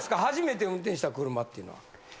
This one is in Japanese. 初めて運転した車っていうのは。